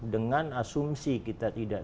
dengan asumsi kita tidak